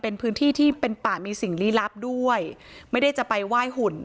เป็นพื้นที่ที่เป็นป่ามีสิ่งลี้ลับด้วยไม่ได้จะไปไหว้หุ่น